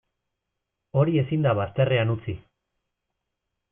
Hori ezin da bazterrean utzi.